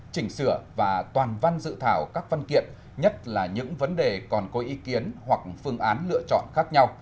chỉnh sửa và toàn văn dự thảo các văn kiện nhất là những vấn đề còn có ý kiến hoặc phương án lựa chọn khác nhau